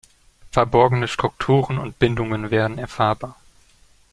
Verborgene Strukturen und Bindungen werden erfahrbar.